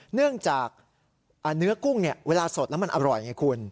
เนื่องจากเนื้อกุ้งเวลาสดแล้วมันอร่อยไงคุณ